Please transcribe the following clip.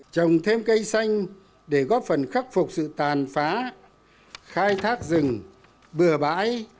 trồng thêm cây xanh để góp phần khắc phục sự tàn phá khai thác rừng bừa bãi